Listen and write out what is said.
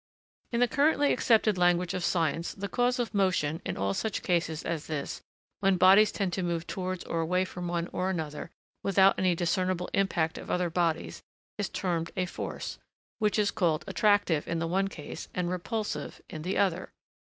In the currently accepted language of science, the cause of motion, in all such cases as this, when bodies tend to move towards or away from one or another, without any discernible impact of other bodies, is termed a 'force,' which is called 'attractive' in the one case, and 'repulsive' in the other.